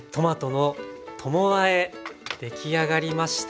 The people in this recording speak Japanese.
出来上がりました。